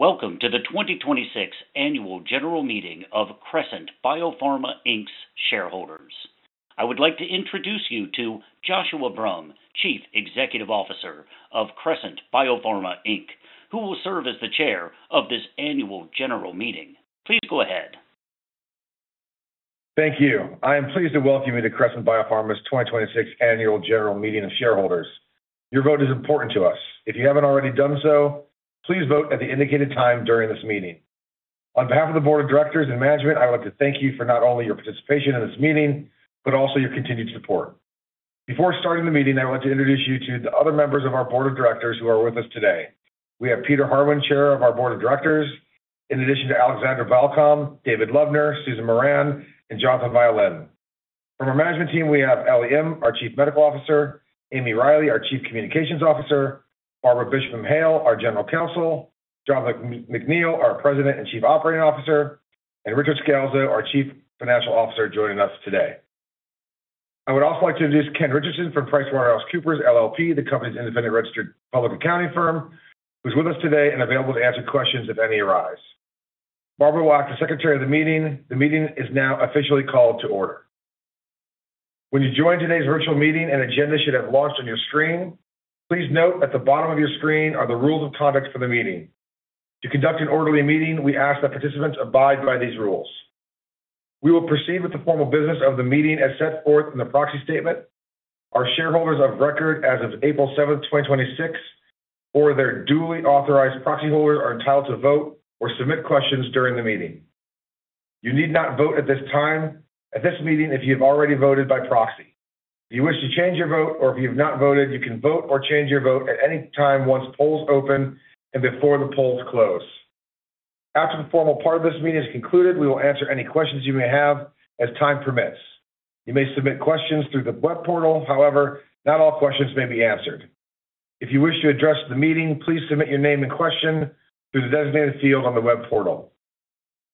Welcome to the 2026 Annual General Meeting of Crescent Biopharma Inc's shareholders. I would like to introduce you to Joshua Brumm, Chief Executive Officer of Crescent Biopharma Inc, who will serve as the chair of this Annual General Meeting. Please go ahead. Thank you. I am pleased to welcome you to Crescent Biopharma's 2026 Annual General Meeting of Shareholders. Your vote is important to us. If you haven't already done so, please vote at the indicated time during this meeting. On behalf of the Board of Directors and management, I would like to thank you for not only your participation in this meeting, but also your continued support. Before starting the meeting, I want to introduce you to the other members of our Board of Directors who are with us today. We have Peter Harwin, Chair of our Board of Directors, in addition to Alexandra Balcom, David Lubner, Susan Moran, and Jonathan Violin. From our management team, we have Ellie Im, our Chief Medical Officer, Amy Reilly, our Chief Communications Officer, Barbara Bispham Hale, our General Counsel, Jonathan McNeill, our President and Chief Operating Officer, and Rick Scalzo, our Chief Financial Officer, joining us today. I would also like to introduce Ken Richardson from PricewaterhouseCoopers LLP, the company's independent registered public accounting firm, who's with us today and available to answer questions if any arise. Barbara will act as secretary of the meeting. The meeting is now officially called to order. When you joined today's virtual meeting, an agenda should have launched on your screen. Please note at the bottom of your screen are the rules of conduct for the meeting. To conduct an orderly meeting, we ask that participants abide by these rules. We will proceed with the formal business of the meeting as set forth in the proxy statement. Our shareholders of record as of April 7th, 2026, or their duly authorized proxy holders are entitled to vote or submit questions during the meeting. You need not vote at this meeting if you have already voted by proxy. If you wish to change your vote or if you have not voted, you can vote or change your vote at any time once polls open and before the polls close. After the formal part of this meeting is concluded, we will answer any questions you may have as time permits. You may submit questions through the web portal. However, not all questions may be answered. If you wish to address the meeting, please submit your name and question through the designated field on the web portal.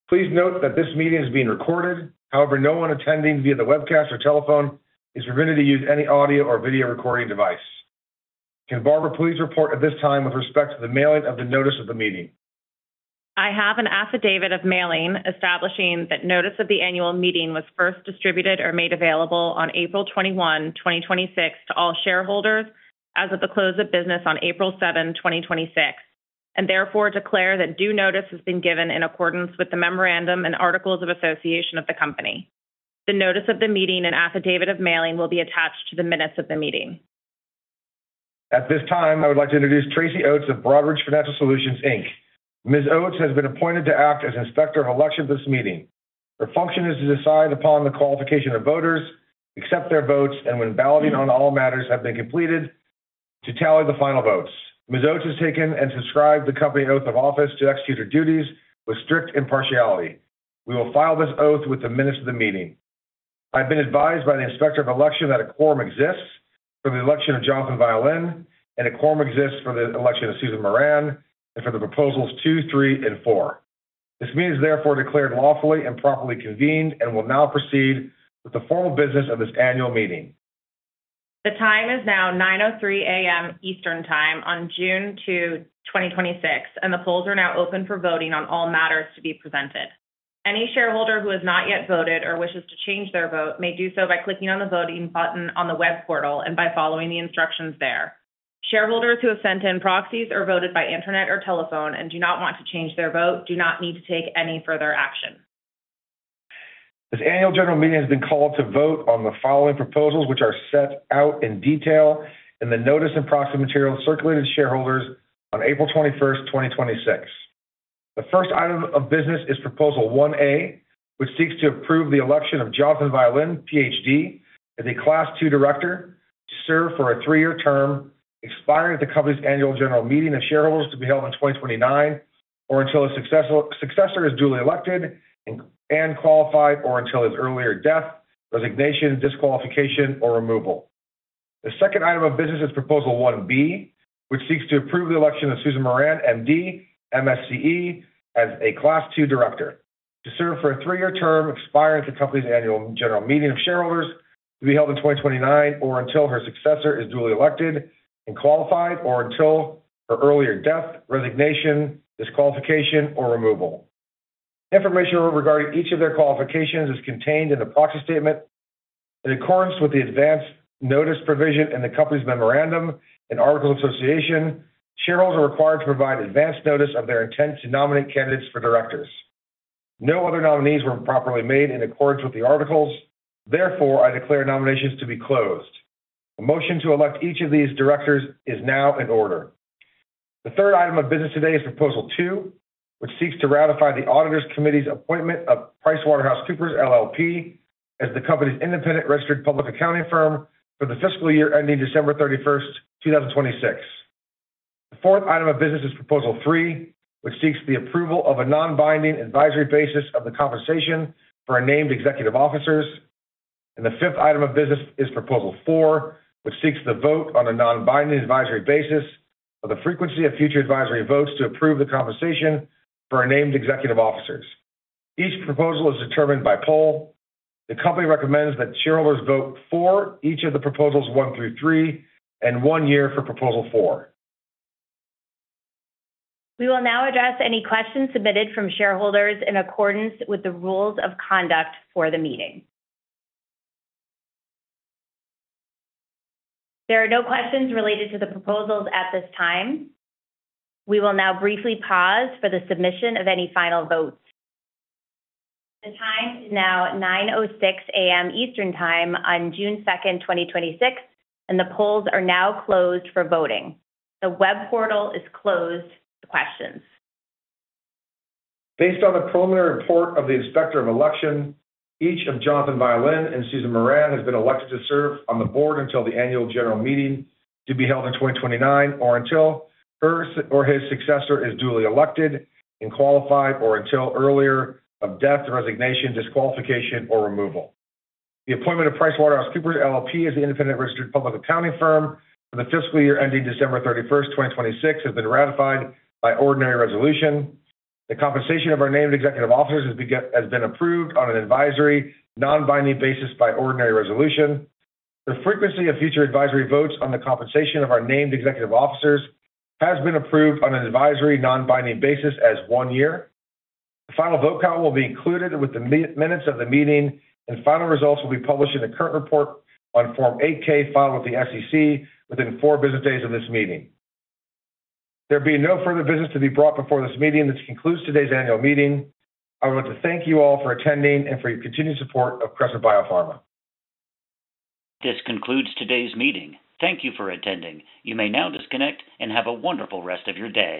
Please note that this meeting is being recorded. However, no one attending via the webcast or telephone is permitted to use any audio or video recording device. Can Barbara please report at this time with respect to the mailing of the notice of the meeting? I have an affidavit of mailing establishing that notice of the annual meeting was first distributed or made available on April 21, 2026, to all shareholders as of the close of business on April 7, 2026, and therefore declare that due notice has been given in accordance with the memorandum and articles of association of the company. The notice of the meeting and affidavit of mailing will be attached to the minutes of the meeting. At this time, I would like to introduce Tracy Oates of Broadridge Financial Solutions, Inc. Ms. Oates has been appointed to act as Inspector of Election for this meeting. Her function is to decide upon the qualification of voters, accept their votes, and when balloting on all matters have been completed, to tally the final votes. Ms. Oates has taken and subscribed the company oath of office to execute her duties with strict impartiality. We will file this oath with the minutes of the meeting. I've been advised by the Inspector of Election that a quorum exists for the election of Jonathan Violin, and a quorum exists for the election of Susan Moran, and for the Proposals 2, 3, and 4. This meeting is therefore declared lawfully and properly convened, and will now proceed with the formal business of this annual meeting. The time is now 9:03 A.M. Eastern Time on June 2, 2026, and the polls are now open for voting on all matters to be presented. Any shareholder who has not yet voted or wishes to change their vote may do so by clicking on the voting button on the web portal and by following the instructions there. Shareholders who have sent in proxies or voted by internet or telephone and do not want to change their vote do not need to take any further action. This annual general meeting has been called to vote on the following proposals which are set out in detail in the notice and proxy material circulated to shareholders on April 21st, 2026. The first item of business is Proposal 1A, which seeks to approve the election of Jonathan Violin, PhD, as a Class II Director to serve for a three-year term expiring at the company's annual general meeting of shareholders to be held in 2029 or until a successor is duly elected and qualified, or until his earlier death, resignation, disqualification, or removal. The second item of business is Proposal 1B, which seeks to approve the election of Susan Moran, MD, MSCE, as a Class II Director to serve for a three-year term expiring at the company's annual general meeting of shareholders to be held in 2029 or until her successor is duly elected and qualified, or until her earlier death, resignation, disqualification, or removal. Information regarding each of their qualifications is contained in the proxy statement. In accordance with the advance notice provision in the company's memorandum and articles of association, shareholders are required to provide advance notice of their intent to nominate candidates for directors. No other nominees were properly made in accordance with the articles. Therefore, I declare nominations to be closed. A motion to elect each of these directors is now in order. The third item of business today is Proposal 2, which seeks to ratify the Audit Committee's appointment of PricewaterhouseCoopers LLP as the company's independent registered public accounting firm for the fiscal year ending December 31st, 2026. The fourth item of business is Proposal 3, which seeks the approval of a non-binding advisory basis of the compensation for our named executive officers. The fifth item of business is Proposal 4, which seeks the vote on a non-binding advisory basis of the frequency of future advisory votes to approve the compensation for our named executive officers. Each proposal is determined by poll. The company recommends that shareholders vote for each of the Proposals 1 through 3, and one year for Proposal 4. We will now address any questions submitted from shareholders in accordance with the rules of conduct for the meeting. There are no questions related to the proposals at this time. We will now briefly pause for the submission of any final votes. The time is now 9:06 A.M. Eastern Time on June 2nd, 2026, and the polls are now closed for voting. The web portal is closed to questions. Based on the preliminary report of the Inspector of Election, each of Jonathan Violin and Susan Moran has been elected to serve on the board until the annual general meeting to be held in 2029 or until her or his successor is duly elected and qualified, or until earlier of death, resignation, disqualification, or removal. The appointment of PricewaterhouseCoopers LLP as the independent registered public accounting firm for the fiscal year ending December 31st, 2026, has been ratified by ordinary resolution. The compensation of our named executive officers has been approved on an advisory, non-binding basis by ordinary resolution. The frequency of future advisory votes on the compensation of our named executive officers has been approved on an advisory, non-binding basis as one year. The final vote count will be included with the minutes of the meeting, and final results will be published in a current report on Form 8-K filed with the SEC within four business days of this meeting. There being no further business to be brought before this meeting, this concludes today's annual meeting. I would like to thank you all for attending and for your continued support of Crescent Biopharma. This concludes today's meeting. Thank you for attending. You may now disconnect and have a wonderful rest of your day.